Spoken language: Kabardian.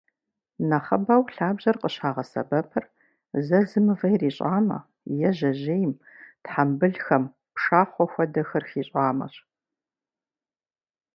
Нэхъыбэу лъабжьэр къыщагъэсэбэпыр зэзым мывэ ирищӏамэ, е жьэжьейм, тхьэмбылхэм пшахъуэ хуэдэхэр хищӏамэщ.